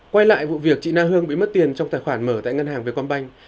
quay lại vụ việc chị na hương bị mất tiền trong tài khoản mở tại ngân hàng vietcombank